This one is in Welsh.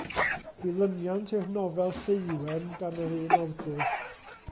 Dilyniant i'r nofel Lleuwen gan yr un awdur.